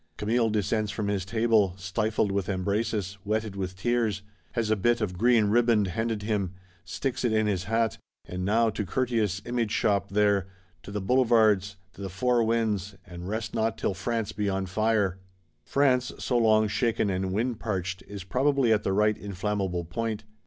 Camille descends from his table, "stifled with embraces, wetted with tears;" has a bit of green riband handed him; sticks it in his hat. And now to Curtius' Image shop there; to the Boulevards; to the four winds; and rest not till France be on fire! France, so long shaken and wind parched, is probably at the right inflammable point.